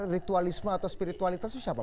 ritualisme atau spiritualitas itu siapa